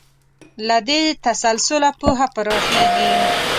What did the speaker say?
له دې تسلسله پوهه پراخېږي.